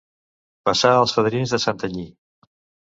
Passar els fadrins de Santanyí.